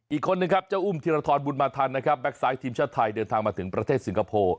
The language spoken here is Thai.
อีกคนนึงครับเจ้าอุ้มธิรทรบุญมาทันนะครับแก๊กซ้ายทีมชาติไทยเดินทางมาถึงประเทศสิงคโปร์